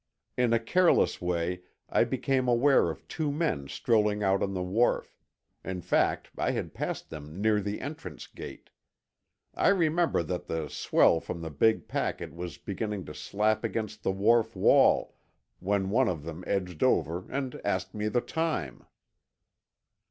In a careless way I became aware of two men strolling out on the wharf; in fact, I had passed them near the entrance gate. I remember that the swell from the big packet was beginning to slap against the wharf wall when one of them edged over and asked me the time.